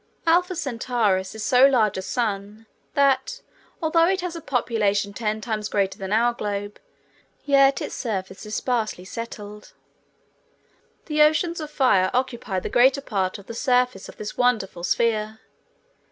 Alpha Centaurus is so large a sun that although it has a population ten times greater than our globe, yet its surface is sparsely settled. The oceans of fire occupy the greater part of the surface of this wonderful sphere.